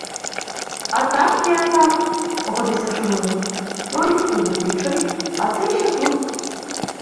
— А так є, так, — погодився Шумило. — Той у Витичеві, а сей ще тут.